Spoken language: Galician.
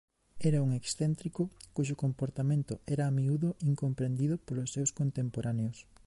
Era un excéntrico cuxo comportamento era a miúdo incomprendido polos seus contemporáneos.